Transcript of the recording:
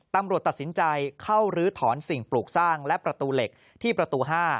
ตำรวจตัดสินใจเข้าลื้อถอนสิ่งปลูกสร้างและประตูเหล็กที่ประตู๕